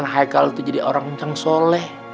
pengen haikal itu jadi orang yang soleh